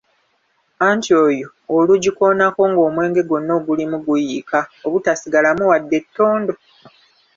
Anti yo olugikoonako ng'omwenge gwonna ogulimu guyiika obutasigalamu wadde ettondo!